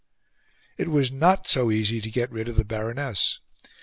It was not so easy to get rid of the Baroness.